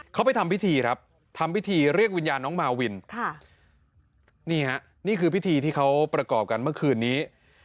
เขาไปทำพิธีครับทำพิธีเรียกวิญญาณน้องมาวินนี่ฮะนี่คือพิธีที่เขาประกอบกันเมื่อคืนนี้